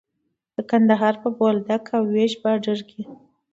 د کندهار په بولدک او ويش باډر کې.